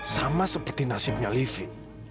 sama seperti nasibnya livi